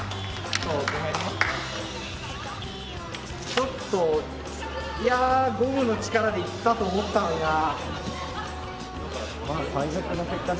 ちょっといやゴムの力でいったと思ったのになぁ。